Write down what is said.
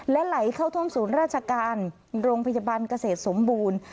ไหลเข้าท่วมศูนย์ราชการโรงพยาบาลเกษตรสมบูรณ์